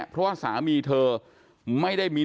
เพราะว่าสามีเธอไม่ได้มี